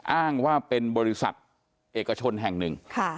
อ้างว่าเป็นบริษัทเอกชนแห่งหนึ่ง